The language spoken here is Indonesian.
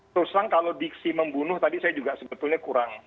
terus terang kalau diksi membunuh tadi saya juga sebetulnya kurang